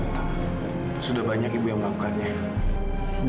tuh sudah banyak ibu yang melakukannya